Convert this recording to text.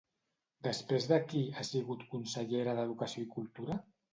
Després de qui ha sigut consellera d'educació i cultura?